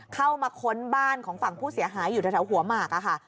เข้ามาค้นบ้านของฝั่งผู้เสียหายอยู่ทะเท่าหัวหมาก